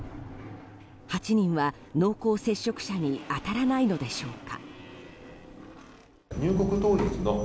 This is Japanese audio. ８人は濃厚接触者に当たらないのでしょうか。